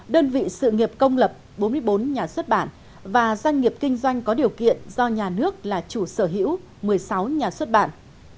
đơn vị sự nghiệp công lập bốn mươi bốn nhà xuất bản và doanh nghiệp kinh doanh có điều kiện do nhà nước là chủ sở hữu một mươi sáu nhà xuất bản